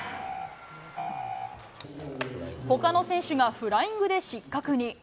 ほかの選手がフライングで失格に。